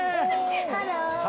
ハロー！